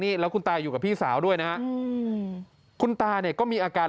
นี่แล้วคุณตาอยู่กับพี่สาวด้วยนะฮะคุณตาเนี่ยก็มีอาการ